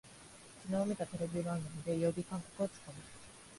きのう見たテレビ番組で曜日感覚をつかむ